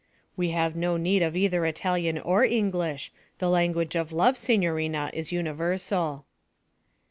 'We have no need of either Italian or English; the language of love, signorina, is universal.'